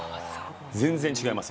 全然違います。